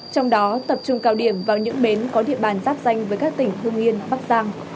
trong đó tập trung cao điểm vào những bến có địa bàn giáp danh với các tỉnh hương yên bắc giang